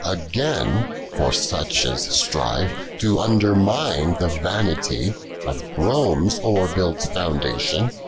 93. Again, for such as strive to undennine, The vanity of Home's ore built foundation OK IlKl.